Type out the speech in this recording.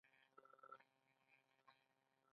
روغ او پوهه ملت شتمني جوړوي.